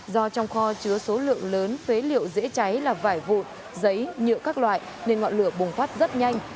do trong kho chứa số lượng lớn phế liệu dễ cháy là vải vụn giấy nhựa các loại nên ngọn lửa bùng phát rất nhanh